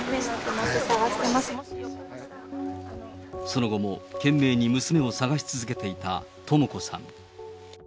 その後も懸命に娘を捜し続けていたとも子さん。